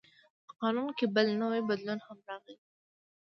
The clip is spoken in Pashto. په قانون کې بل نوی بدلون هم راغی.